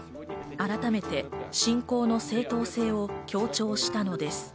改めて侵攻の正当性を強調したのです。